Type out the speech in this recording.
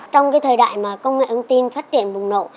trong cái thời đại mà công nghệ ứng tin phát triển bùng nổ